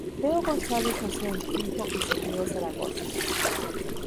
Teo González nació en Quinto y se crio Zaragoza.